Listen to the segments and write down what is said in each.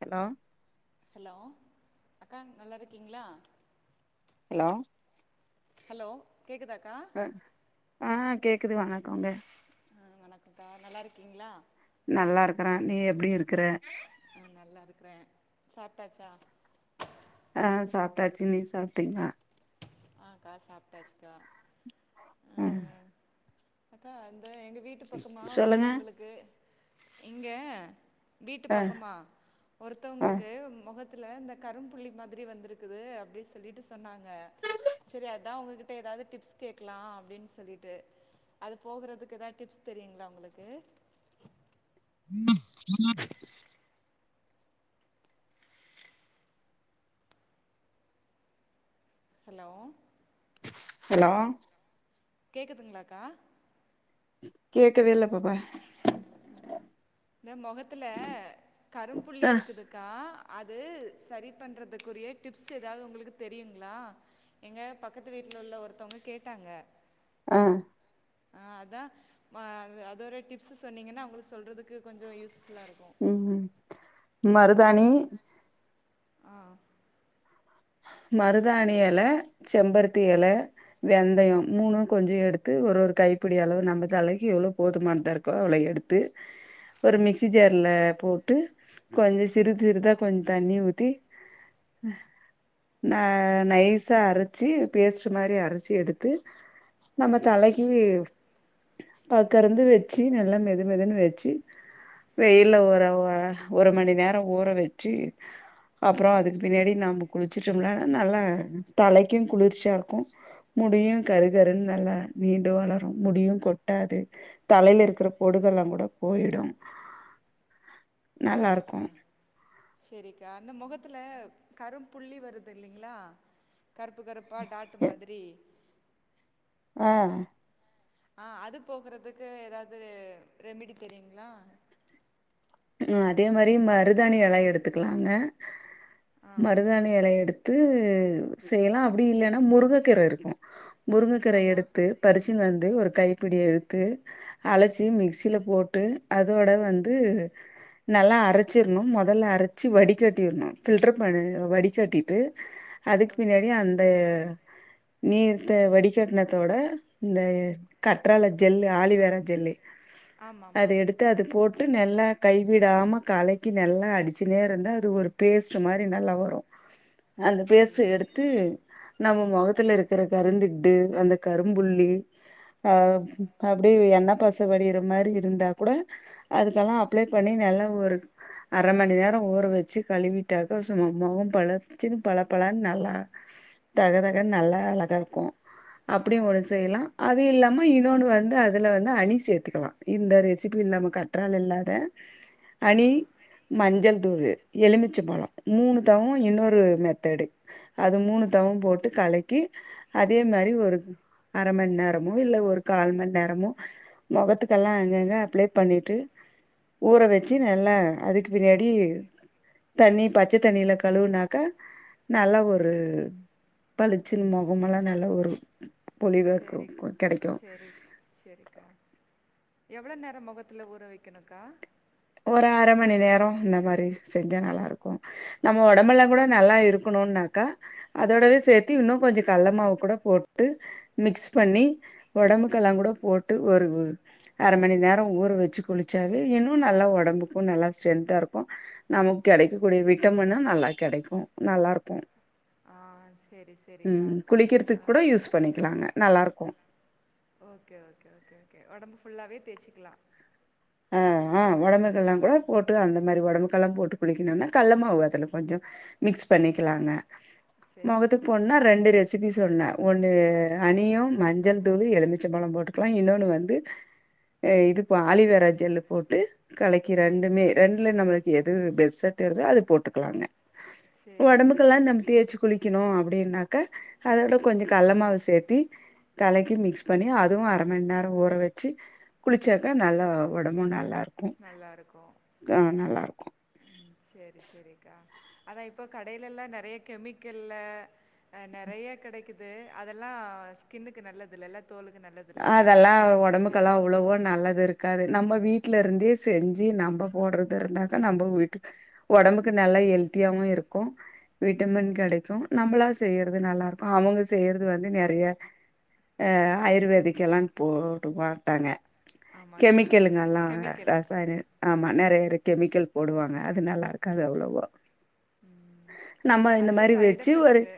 hello hello அக்கா நல்லாருக்கீங்களா hello hello கேக்குதாக்கா ஹ ஆ கேக்குது வணக்கோங்க அ வணக்கக்கா நல்லாருக்கீங்களா நல்லாருக்கரே நீ எப்டி இருக்ற அ நல்லாருக்கறே சாப்டாச்சா அ சாப்பிட்டாச்சு நீ சாப்டீங்களா அ அக்கா சாப்டாச்சுக்கா ஆ ம் அக்கா அந்த எங்க வீட் ட்டு பக்கமா சொல்லுங்க ஒருத்தவங்களுக்கு இங்க வீட்டு ஆ பக்கமா ஆ ஒருத்தவங்களுக்கு மொகத்துல இந்த கரும்புள்ளி மாதிரி வந்திருக்குது அப்டி சொல்லிட்டு சொன்னாங்க சேரி அதா உங்ககிட்ட எதாது டிப்ஸ் கேக்லா அப்டின்னு சொல்லிட்டு அது போகுறதுக்கு எதா டிப்ஸ் தெரியுங்களா உங்களுக்கு ம் ம் ஹலோ ஹலோ கேக்குதுங்ளாக்கா கேக்கவே இல்ல பாப்பா இந்த மொகத்துல கரும்புள்ளி ஆ இருக்குது க்கா அது சரி பண்றதுக்குரிய டிப்ஸ் ஏதாவது உங்களுக்கு தெரியுங்களா எங்க பக்கத்து வீட்டில உள்ள ஒருத்தவங்க கேட்டாங்க அ அ அதா ம அது ஒரு டிப்ஸ் சொன்னீங்கன்னா அவங்களுக்கு சொல்றதுக்கு கொஞ்சு யூஸ்ஃபுல்லா இருக்கு ம் மருதாணி ஆ மருதாணி எல செம்பருத்தி எல வெந்தயம் மூணும் கொஞ்சு எடுத்து ஒரு ஒரு கைப்பிடி அளவு நம்ம தலைக்கு எவ்வளவு போதுமானதா இரு பால எடுத்து ஒரு மிக்சி ஜார்ல போட்டு கொஞ்சு சிறிது சிறிதா கொஞ்சு தண்ணி ஊத்தி ந நைஸா அரைச்சு பேஸ்டு மாரி அரைச்சி எடுத்து நம்ம தலைக்கு பாக்கறந்து வெச்சு நல்லா மெது மெதுன்னு வெச்சு வெயில ஓர ஒ ஒரு மணி நேரோ ஊற வச்சு அப்புறோ அதுக்கு பின்னாடி நம்மோ குளிச்சுட்டோம்ன நல்லா தலைக்கு குளிர்ச்சியா இருக்கும் முடியு கரு கருன்னு நல்லா நீண்டு வளரும் முடியு கொட்டாது தலையில இருக்கிற பொடுகு எல்லா கூட போயிடும் நல்லா செரிக்கா இருக்கும் செரிக்கா அந்த முகத்துல கரும் புள்ளி வருது இல்லைங்களா கருப்பு கருப்பா டாட்டு மாதிரி ஆ ஆ அது போகுறதுக்கு ஏதாவது ரெமிடி தெரியுங்களா அதே மாரி மருதாணி எலைய எடுத்துக்கலாங்க ஆ மருதாணி எலைய எடு து செய்யலா அப்படி இல்லைன்னா முருங்கைக்கீரை இருக்கு முருங்கைக்கீரை ஆமா எடுத்து பரிச்சினு வந்து ஒரு கைப்பிடி எடுத்து அளச்சி மிக்சில போட்டு அதோட வந்து நல்லா அரைச்சிர்ணு மொதல்ல அரைச்சு வடிகட்டிடணும் பில்டர் பண்ணி வடிகட்டிட்டு அதுக்கு ஓகே பின்னாடி அந்த இந்த நீர்த வடிகட்டணத்தோட இந்த கற்றால ஜெல்லு ஆலிவேரா ஜல்லு ஆமாம்மா அத எடுத்து அது போட்டு நல்லா கைவிடாம கலக்கி நல்லா அடிச்சுனே இருந்தா அது ஒரு பேஸ்ட் மாரி நல்லா வரு அந்த சரி பேஸ்டு எடுத்து நம்ம மொகத்துல இருக்கிற கருந்திட்டு அந்த கரும்புள்ளி அ அப்படியே எண்ண பச வடியிற மாரி இருந்தா கூட அதுக்கெல்லா அப்ளே பண்ணி நல்லா ஒரு அரை மணி நேரோ ஊற வச்சு கழுவிட்டாக்க சும்மா மோகோ பழச்சுன்னு பழப்பழான்னு நல்லா தக தகன்னு நல்லா அழகா இருக்கு ஆ அப்படி ஒன்னு சரி செய்யலா அது இல்லாம இன்னொன்னு வந்து அதுல வந்து அணி சேர்த்துக்கலா இந்த ரெசிபி இல்லாம கற்றால் இல்லாத ஓ அணி மஞ்சள் தூளு எலுமிச்ச பழோ மூணு தவோ இன்னொரு மெத்தடு அது மூணு தவு சரி போட்டு கலக்கி அதே மாரி ஒரு அர மணி நேரமோ இல்ல ஒரு கால் மணி நேரமோ மொகத்துக்கெல்லா அங்க அங்க அப்ளே பண்ணிட்டு ஊற ஆ வெச்சு நல்லா அதுக்கு பின்னாடி தண்ணி பச்ச தண்ணியில கழுவுனாக்கா நல்லா ஒரு பளிச்சுன்னு மொகமெல்லா நல்ல ஒரு பொளிவா சரி கெடைக்கு சரி சரிக்கா எவ்ளோ நேரம் முகத்தில ஊற வைக்கணுக்கா ஒரு அரை மணி நேரம் இந்த மாரி செஞ்சா நல்லாருக்கு நம்ம ம், உடம்புல்லா கூட நல்லா இருக்கணுனாக்கா அதோடவே சேத்தி இன்னு கொஞ்சோ கள்ள மாவு கூட போட்டு மிக்ஸ் பண்ணி உடம்புக்கெல்லா கூட போட்டு ஒரு உ அரை மணி நேர ஊற வச்சு குளிச்சாவே இன்னு நல்லா உடம்புக்கு நல்லா ஸ்ட்ரென்தாருக்கு நமக்கு கெடைக்கக்கூடிய விட்டமின்னு நல்லா கெடைக்கு நல்லாருக்கு ஆ சரி சரிக்கா ம் ஆ குளிக்கிறதுக்கு கூட யூஸ் பண்ணிக்கலாங்க நல்லாருக்கு ஓகே ஓகே ஓகே ஓகே உடம்பு ஃபுல்லாவே தேய்சிக்கலா ஆ ஆ உடம்புக்கெல்லா கூட போட்டு அந்த மாரி உடம்புக்கெல்லா போட்டு குளிக்கனுனா கள்ளமாவு அதுல கொஞ்சோ மிக்ஸ் பண்ணிக்கலாங்க சரி முகத்து போனு நா ரெண்டு ரெசிபி சொன்னேன் ஒன்னு அனியும் மஞ்சள் தூள் எலுமிச்சைம்பழம் போட்டு ப்ற இன்னொன்னு வந்து இதுப்பா ஆலிவரா ஜெல்லு போட்டு கலக்கி ரெண்டுமே ரெண்டுல நம்மளுக்கு எது பெஸ்ட்டா தெரிதோ அது போட்டுக்கலாங்க சரி உடம்புக்கெல்லா சரிக்கா நம்ப தேச்சு குளிக்கணு அப்டின்னாக்க அதோட கொஞ்சோ கள்ளமாவ சேர்த்தி கலக்கி மிக்ஸ் பண்ணி அதுவு அரை மணி நேரம் ஊற வச்சு குளிச்சாக்க நல்லா உடம்பு நல்லாருக்கு நல்லா இருக்கும் ஆ நல்லாருக்கு செரி செரிக்கா அதா இப்போ கடைலல்லா நெறய கெமிக்கல்ல நெறய கெடைக்குது அதெல்லா ஸ்கின்னுக்கு நல்லதில்லல தோலுக்கு நல்ல அதெல்லா உடம்புக் கலா அவ்ளவோ நல்லது இருக்காது நம்ம வீட்ல இருந்தே செஞ்சு நம்ப போடுறது இருந்தாக்க நம்ப வீட்டுக் உடம்புக்கு நல்ல ஹெல்த்தியாவு இருக்கு விட்டமின் கெடைக்கு நம்மளா செய்யறது நல்லாருக்கு அவங்க செய்யறது வந்து நெறய அ ஆயுர்வேதிக்கல்லா போடுவாதான ஆமா ஆ கெமிக்கலுங்க எல்லா ரசாயன ஆமா நெறய கெமிக்கல் போடுவாங்க அது நல்லாருக்காது அவ்ளவா நம்ம இந்த அதில மாரி சைடு வச்சு ஒரு எஃபெக்ட்டு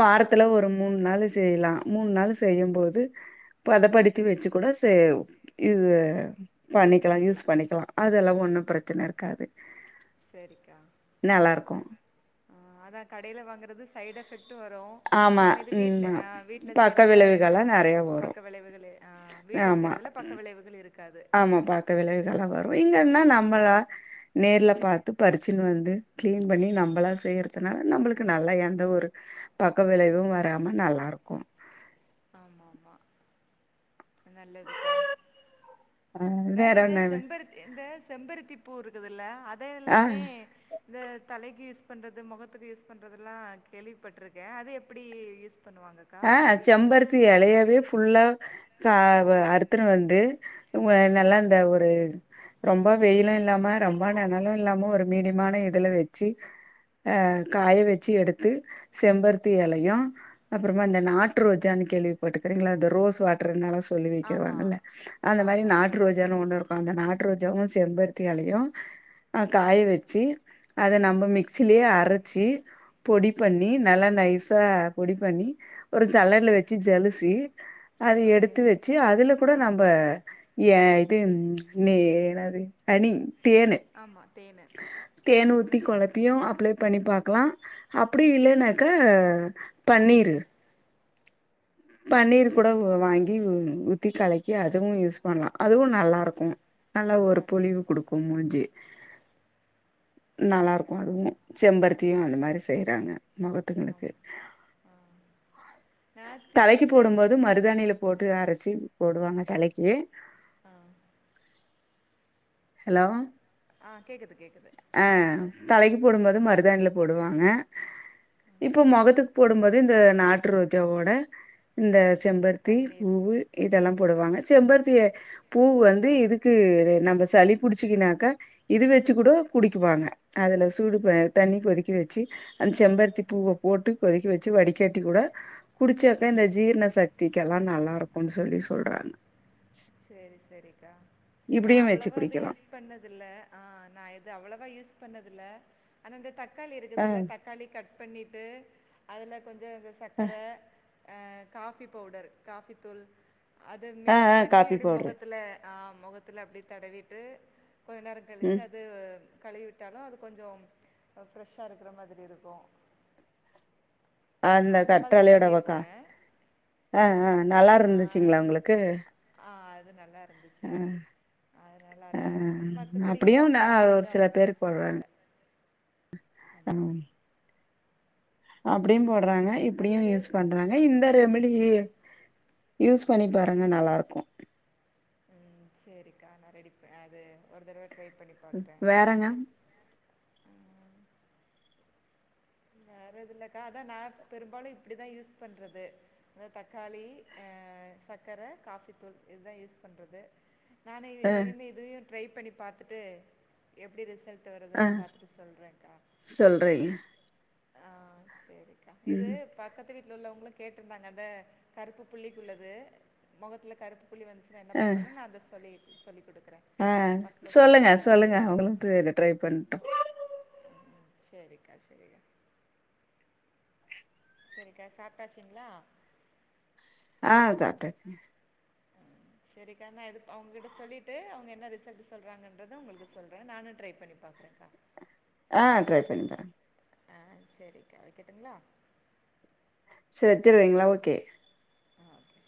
வாரத்துல ஒரு மூணு நாள் செய்யலா மூணு நாள் செய்ய போது பதப்படுத்தி வச்சு கூட செ இது பண்ணிக்கலா யூஸ் பண்ணிக்கலா அதெல்லா ஒன்னு பிரச்சனை இருக்காது செரிக்கா நல்லாருக்கு அதா கடைல வாங்கறது சைட் எஃபெக்ட்டு வரு ஆ ஆமா நம்ம இது வீட்ல ம்மா அ வீட்ல பக்க செய்யறதுல எந்த விளைவுகள்லா நெறைய வரு பக்க விளைவுகள் அ வீட்ல ஆமா செய்றதில பக்க விளைவுகள் இருக்காது ஆமா பக்க விளைவுகள்ளா வரு இங்கன்னா நம்பளா நேர்ல பாத்து பறிச்சுன்னு வந்து கிளீன் பண்ணி நம்பளா செய்யறதுனால நம்பளுக்கு நல்லா எந்த ஒரு பக்க விளைவு வராம நல்லாருக்கு ஆமாமா நல்லதுக்கா ஆ வேற எந்த என்ன செம்பருத்தி இந்த செம்பருத்தி பூ இருக்குதுல்ல அத ஆ எல்லாமே இந்த தலைக்கு யூஸ் பண்றது முகத்துக்கு யூஸ் பண்றதுலா கேள்விப்பட்டிருக்கே அத எப்டி யூஸ் பண்ணுவாங்க ஆ செம்பருத்தி இலையவே ஃபுல்லா கா அறுத்துன்னு வந்து உ நல்லாந்த ஒரு ரொம்ப வெயிலு இல்லாம ரொம்ப நெணலு இல்லாம ஒரு மீடியமான இதுல வச்சு அ காய வச்சு எடுத்து செம்பருத்தி இலையு அப்றமா இந்த நாட்டு ரோஜான்னு கேள்வி பட்டுக்கறீங்களா அ இந்த ரோஸ் வாட் ரெண் நாளா சொல்லி ஆமா வைக்கிறவாங்கல்ல அந்த மாரி ஆமா நாட்டு ரோஜானு ஒண்ணு இருக்கு அந்த நாட்டு ரோஜாவு செம்பருத்தி எலையு ஆ காய வச்சு அத நம்ம மிக்சிலயே அரைச்சி பொடி பண்ணி நல்லா நைஸா பொடி பண்ணி ஒரு சலன்ன ஓகே வச்சு ஜலுச்சி அத ஓகே எடுத்து வச் சு அதுல கூட நம்ம ஏ இது நே என்னது ஹனி தேனு ஆமா தேனு தேன் ஊத்தி கொழப்பியு அப்ளை பண்ணி பாக்கலா அப்டி இல்லைன்னாக்க பன்னிரு பன்னீர் கூட வாங்கி ஊத்தி கலக்கி அதுவு யூஸ் பண்லா அதுவு நல்லாருக்கு நல்ல ஒரு நல்லாருக்கு பொளிவு குடுக்கு மூஞ்சு நல்லாருக்கு சரிக்கா அதுவு செம்பருத்தியு ஆ அந்த மாரி செய்றாங்க மொகத்துங்களுக்கு நான் தலைக்கு திடீர்னு போடும் போது மருதாணில போட்டு அரைச்சு போடுவாங்க தலைக்கி ஆ ஹலோ ஆ கேக்குது கேக்குது அ தலைக்கு போடும்போது மருதானில போடுவாங்க இப்போ மொகத்துக்கு போடும்போது இந்த நாட்டு ரோஜாவோட இந்த செம்பருத்தி பன்னீர் பூவு இதெல்லா போடுவாங்க செம்பருத்திய பூ வந்து இதுக்கு நம்ம சளி புடிச்சிக்கினாக்க இது வச்சுக்கூட குடிக்கு வாங்க அதுல சூடு தண்ணி கொதிக்க வச்சு அந்த ஆ செம்பருத்தி பூவ போட்டு கொதிக்க வச்சு வடிக்கட்டி கூட குடிச்சாக்க இந்த ஜீர்ண சக்திக்கெல்லா நல்லாருக்குன்னு சொல்லி சொல்றாங்க செரி செரிக்கா நா அத இப்டியு வச்சு அவ்ளவா அத குடிக்கலா யூஸ் பண்ணதில்ல ஆ நா இது அவ்வளவா யூஸ் பண்ணதல ஆனா இந்த தக்காளி ஆ இருக்குதுல்ல தக்காளி கட் பண்ணிட்டு அதுல கொஞ்ச இந்த ஆ சக்கர அ காஃபி பவுடர் காஃபி தூள் அது ஆ மிக்ஸ் ஆ காப்பி பவுட்ரு த்துல அ மொகத்துல அப்டி தடவிட்டு கொஞ்ச நேர கழிச்சு ம் அது கழுவிட்டாலு அது கொஞ்ச ஃப்ரெஷ்ஷா இருக்கிற மாதிரி இருக்கு அந்த மாதிரி கற்றாழையோட பக்கா பண்ணியிருக்கிறேன் ஆ ஆ ஆ, நல்லாருந்துச்சுங்ளா உங்களுக்கு ஆ அது நல்லாரு ஆ இருந்துச்சு அது ஆ நல்லாருக்கு மத்த படிக்கி அப்டியு நா வேற எது ஒரு சில அவ்வளவா பேருக்கு யூஸ் பண்ணதில்ல ஆ அப்டியு போட்றாங்க அது இப்டியு ஒரு யூஸ் ஸ் பண்றாங்க இந்த ரெமிடி யூஸ் பண்ணி பாருங்க நல்லாருக்கு ம் செரிக்கா நா ரெடி ப அது ஒரு தறவ ட்ரை பண்ணி பார்க்குறேன் வேறங்க வேற எது இல்லக்கா அதா நா பெரும்பாலு இப்டிதா யூஸ் பண்றது அ தக்காளி அ சக்கர காஃபி தூள் இதுதா யூஸ் பண்றது நானு இது அ இனிமே இதயு ட்ரை பண்ணி பாத்துட்டு எப்டி ரிசல்ட் அ வருதுன் பாத்துட்டு சொல்றேங்கா சொல்றீங்க ஆ சேரிக்கா இது ம் பக்கத்து வீட்ல உள்ளவங்களு கேட்ருந்தாங்க அந்த கருப்பு புள்ளிக்குள்ளது மொகத்துல கருப்பு புள்ளி வந்துச்சு என்ன அ பண்ணுன்னு நா அத சொல்லி சொல்லி குடுக்குறே ஆ ஃபஸ்ட்ல சொல்லுங்க சொன்னீங்கல்ல அது சொல்லுங்க அவங்களுட்டு ட்ரை பண்ணட்டு ம் செரிக் செரிக்கா செரிக்கா சாப்ட்டாச்சுங்ளா ஆ சாப்ட்டாச்சுங்க ம் செரிக்கா நா இது அவங்கிட்ட சொல்லிட்டு அவங்க என்ன ரிசல்ட் சொல்கிறாங்கன்றத உங்களுக்கு சொல்கிறே நானு ட்ரை பண்ணி பாக்குறேக்கா ஆ ட்ரை பண்ணிபாருங் ஆ செரிக்கா வைக்கட்டுங்ளா செத்துருவீங்ளா ஓகே ஆ ஓகே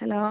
ஹலோ